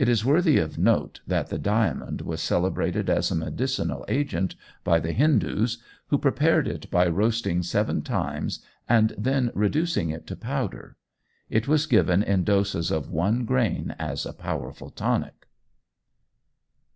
It is worthy of note that the diamond was celebrated as a medicinal agent by the Hindoos, who prepared it by roasting seven times and then reducing it to powder. It was given in doses of one grain as a powerful tonic.